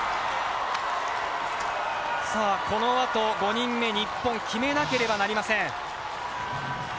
このあと、５人目、日本は決めなければなりません。